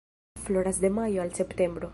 Floras de majo al septembro.